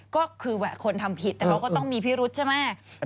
ก็คือคนทำผิดแต่เขาก็ต้องมีพิรุธใช่ไหม